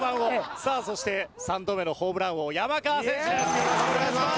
さあそして３度目のホームラン王山川選手です。